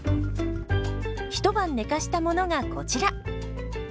一晩寝かしたものがこちら。